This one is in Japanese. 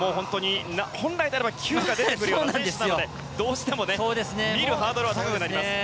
本来であれば９が出てくるような選手なのでどうしても見るハードルは高くなります。